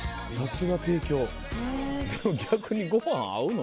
でも逆にご飯合うの？